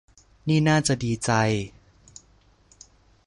นี่น่าจะดีใจ